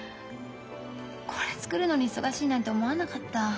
これ作るのに忙しいなんて思わなかった。